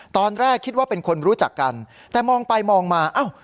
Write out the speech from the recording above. ตอนแรกคิดว่าเป็นคนรู้จักกันแต่มองไปมองมาอ้าว